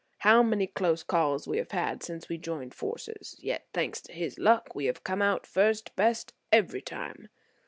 How many close calls we have had since we joined forces: yet, thanks to his luck, we have come out first best every time.